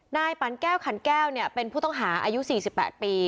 ปั่นแก้วขันแก้วเป็นผู้ต้องหาอายุ๔๘ปี